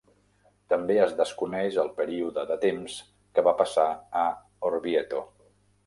També es desconeix el període de temps que va passar a Orvieto.